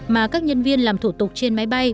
mà các nhân viên làm thủ tục trên máy bay